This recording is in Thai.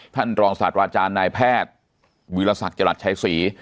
ท่านรองศาสตราจารย์นายแพทย์วิรสักจรัสชัยศรี